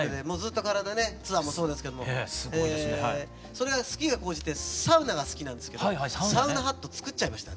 それが好きが高じてサウナが好きなんですけどサウナハット作っちゃいました。